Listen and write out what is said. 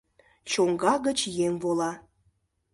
Чоҥга гыч еҥ вола.